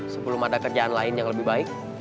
sebelum ada kerjaan lain yang lebih baik